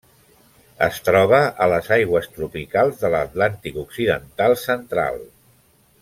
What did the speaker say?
Es troba a les aigües tropicals de l'Atlàntic occidental central.